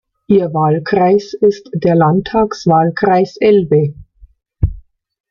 Ihr Wahlkreis ist der Landtagswahlkreis Elbe.